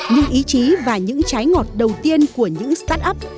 nhưng ý chí và những trái ngọt đầu tiên của những start up